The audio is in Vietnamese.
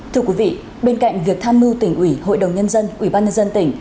thưa quý vị bên cạnh việc tham mưu tỉnh ủy hội đồng nhân dân ủy ban nhân dân tỉnh